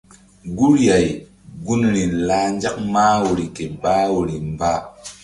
Guri-ay gunri lah nzak mah woyri ke bah woyri mba.